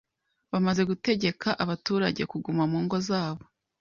bamaze gutegeka abaturage kuguma mu ngo zabo